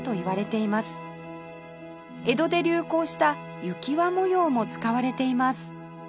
江戸で流行した雪輪模様も使われています